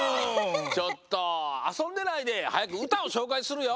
ちょっとあそんでないではやくうたをしょうかいするよ！